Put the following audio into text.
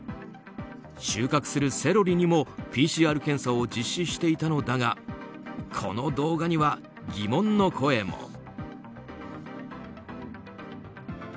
収穫するセロリにもＰＣＲ検査を実施していたのだがこの動画には疑問の声も。